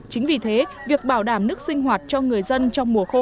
chính vì thế việc bảo đảm nước sinh hoạt cho người dân trong mùa khô